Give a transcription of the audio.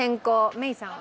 メイさんは？